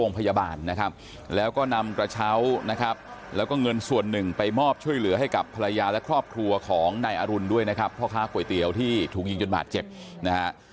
นะครับแล้วก็นำกระเช้านะครับแล้วก็เงินส่วนหนึ่งไปมอบช่วยเหลือให้กับภรรยาและครอบครัวของนายอรุณด้วยนะครับพ่อค้าก๋วยเตี๋ยวที่ถูกยิงจนบาดเจ็บนะฮะ